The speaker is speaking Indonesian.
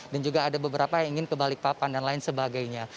dan juga ada beberapa yang ingin kebalik papan dan lain sebagainya